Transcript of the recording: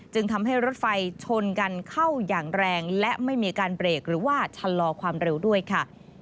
จึงทำให้รถไฟชนกันเข้าอย่างแรงและไม่มีการเบรกหรือว่าชะลอความเร็วด้วยค่ะ